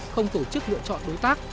không tổ chức lựa chọn đối tác